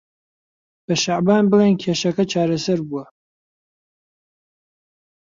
بە شەعبان بڵێن کێشەکە چارەسەر بووە.